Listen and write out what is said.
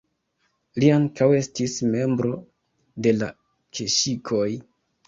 Li ankaŭ estis membro de la keŝikoj.